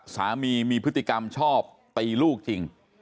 สามีมีพฤติกรรมชอบตีลูกจริง